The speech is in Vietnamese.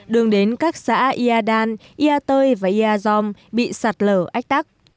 đường đến các xã iadan iatơi và iazom bị sạt lở ách tắc